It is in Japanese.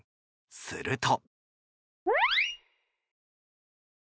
すると。